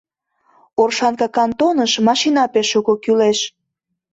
Оршанка кантоныш машина пеш шуко кӱлеш.